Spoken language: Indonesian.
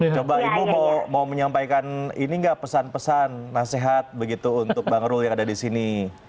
coba ibu mau menyampaikan ini nggak pesan pesan nasihat begitu untuk bang rul yang ada di sini